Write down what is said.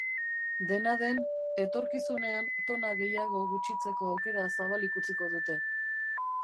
Dena den, etorkizunean tona gehiago gutxitzeko aukera zabalik utzi dute.